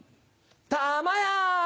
たまや！